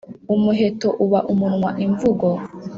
umuheto uba umunwa imvugo